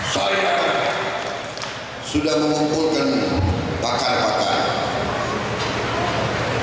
saya sudah mengumpulkan pakar pakar